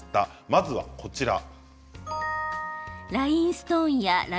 まずはこちら。